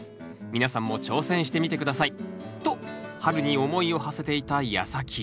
皆さんも挑戦してみてください。と春に思いをはせていたやさき。